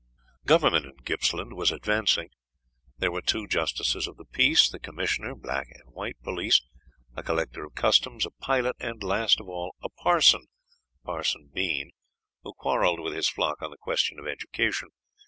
Government in Gippsland was advancing. There were two justices of the peace, the commissioner, black and white police, a collector of customs, a pilot, and last of all, a parson parson Bean who quarrelled with his flock on the question of education.